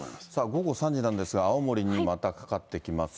午後３時なんですが、青森にまたかかってきます。